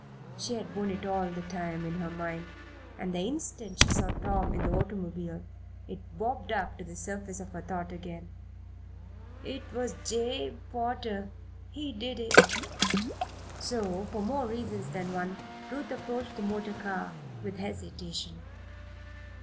She had borne it all the time in her mind, and the instant she saw Tom in the automobile it bobbed up to the surface of her thought again. "It was Jabe Potter he did it." So, for more reasons than one, Ruth approached the motor car with hesitation.